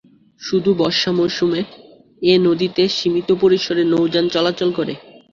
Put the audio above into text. শুধু বর্ষা মৌসুমে এ নদীতে সীমিত পরিসরে নৌযান চলাচল করে।